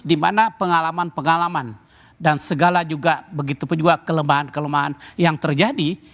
dimana pengalaman pengalaman dan segala juga begitu juga kelemahan kelemahan yang terjadi